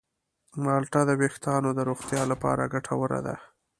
مالټه د ویښتانو د روغتیا لپاره ګټوره ده.